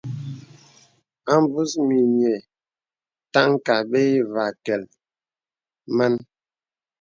A mbus mìnyè taŋ kàà bə̄ î vè akɛ̀l man.